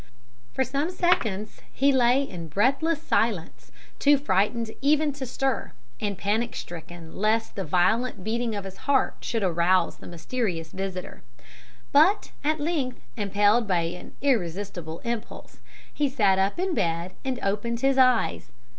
"For some seconds he lay in breathless silence, too frightened even to stir, and panic stricken lest the violent beating of his heart should arouse the mysterious visitor. But at length, impelled by an irresistible impulse, he sat up in bed and opened his eyes.